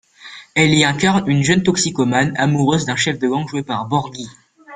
Elle y incarne une jeune toxicomane amoureuse d'un chef de gang joué par Borghi.